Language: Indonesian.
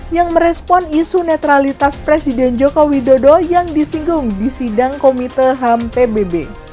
yang merespon isu netralitas presiden joko widodo yang disinggung di sidang komite ham pbb